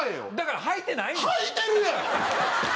はいてるやん！